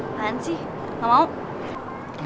apaan sih gak mau